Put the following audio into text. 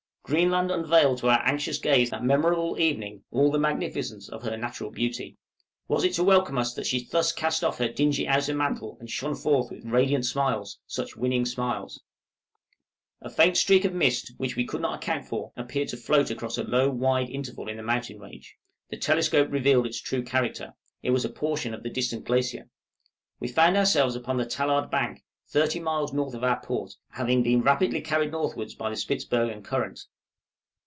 Greenland unveiled to our anxious gaze that memorable evening, all the magnificence of her natural beauty. Was it to welcome us that she thus cast off her dingy outer mantle, and shone forth radiant with smiles? such winning smiles! {FINE ARCTIC SCENERY.} A faint streak of mist, which we could not account for, appeared to float across a low, wide interval in the mountain range; the telescope revealed its true character, it was a portion of the distant glacier. We found ourselves upon the Tallard Bank, 30 miles north of our port, having been rapidly carried northwards by the Spitzbergen current.